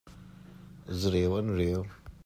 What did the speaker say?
Zureu an reu.